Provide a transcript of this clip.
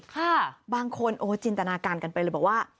ค่ะบางคนโอ้จินตนาการกันไปเลยบอกว่า